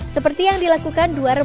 seperti yang dilakukan dua remaja